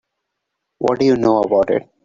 What do you know about it?